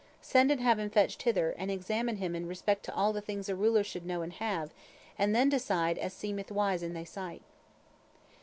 Send and have him fetched hither, and examine him in respect to all the things a ruler should know and have, and then decide as seemeth wise in thy sight."